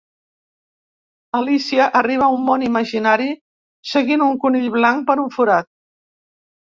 Alícia arriba a un món imaginari seguint un conill blanc per un forat.